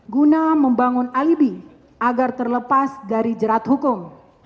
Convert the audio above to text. guna membangun alibi agar terlepas dari jerat hukum